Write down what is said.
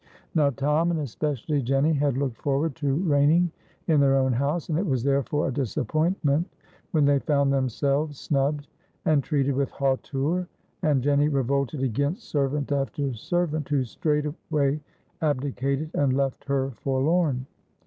Now Tom, and especially Jenny, had looked forward to reigning in their own house, and it was therefore a disappointment when they found themselves snubbed and treated with hauteur, and Jenny revolted against servant after servant, who straightway abdicated and left her forlorn.